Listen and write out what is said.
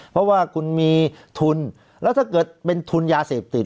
เพราะว่าคุณมีทุนแล้วถ้าเกิดเป็นทุนยาเสพติด